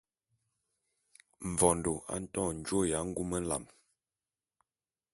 Mvondo a nto njôô ya ngume jal.